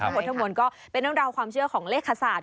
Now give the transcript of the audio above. ทั้งหมดทั้งหมดก็เป็นเรื่องราวความเชื่อของเลขศาสต